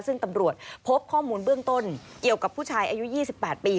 ซึ่งตำรวจพบข้อมูลเบื้องต้นเกี่ยวกับผู้ชายอายุ๒๘ปี